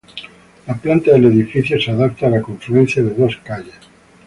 La planta del edificio se adapta a la confluencia de dos calles.